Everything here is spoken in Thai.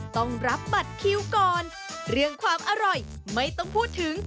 ต้องรับบัตรคิวก่อนเรื่องความอร่อยไม่ต้องพูดถึง